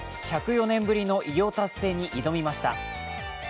１０４年ぶりの偉業達成に挑みました